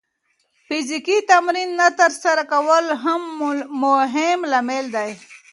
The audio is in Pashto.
فزیکي تمرین نه ترسره کول هم مهم لامل دی.